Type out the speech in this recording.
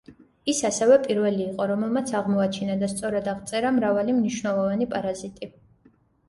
ის ასევე პირველი იყო რომელმაც აღმოაჩინა და სწორად აღწერა მრავალი მნიშვნელოვანი პარაზიტი.